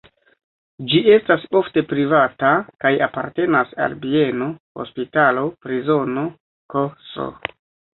Ĝi estas ofte privata kaj apartenas al bieno, hospitalo, prizono ks.